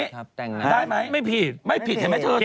ได้ไหมไม่ผิดไม่ผิดเห็นไหมเธอ